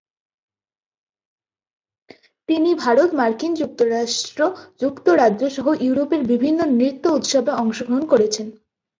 তিনি ভারত, মার্কিন যুক্তরাষ্ট্র, যুক্তরাজ্য সহ ইউরোপের বিভিন্ন নৃত্য উৎসবে অংশগ্রহণ করেছেন।